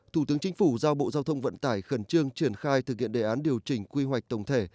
thủ tướng chính phủ giao bộ giao thông vận tải khẩn trương triển khai thực hiện đề án điều chỉnh quy hoạch tổng thể